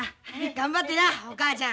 頑張ってなお母ちゃん。